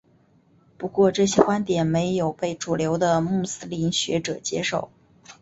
不过这些观点没有被主流的穆斯林学者接受。